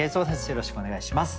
よろしくお願いします。